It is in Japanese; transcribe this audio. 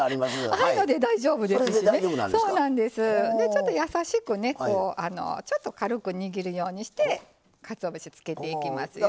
ちょっと優しくねちょっと軽く握るようにしてかつおぶしつけていきますよ。